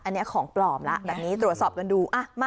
อันนี้ของปลอมแล้วแบบนี้ตรวจสอบกันดู